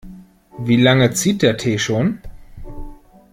Wie lange zieht der Tee schon?